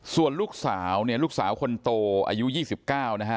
ส่วนลูกสาวเนี่ยลูกสาวคนโตอายุ๒๙นะฮะ